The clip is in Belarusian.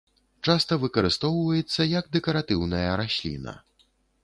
Часта выкарыстоўваецца як дэкаратыўная расліна.